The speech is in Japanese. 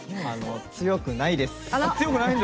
強くないです。